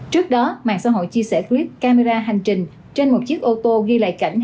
trước đó mạng xã hội chia sẻ clip camera hành trình trên một chiếc ô tô ghi lại cảnh